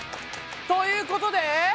ということで！